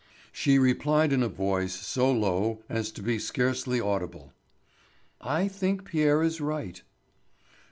She replied in a voice so low as to be scarcely audible: "I think Pierre is right."